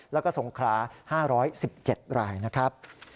แล้วก็สงครา๕๑๗รายนะครับ